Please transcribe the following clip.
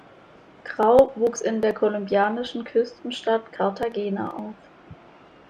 Grau wuchs in der kolumbianischen Küstenstadt Cartagena auf.